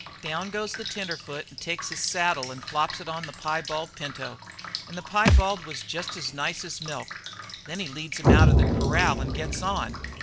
"Down goes the tenderfoot and takes his saddle and flops it on the piebald pinto, and the piebald was jest as nice as milk. Then he leads him out'n the corral and gets on.